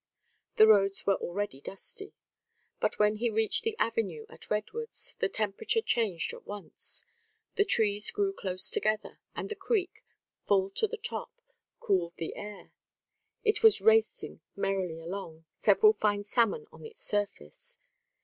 The roads were already dusty. But when he reached the avenue at Redwoods, the temperature changed at once. The trees grew close together, and the creek, full to the top, cooled the air; it was racing merrily along, several fine salmon on its surface.